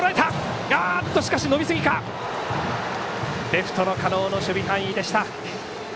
レフトの狩野の守備範囲でした。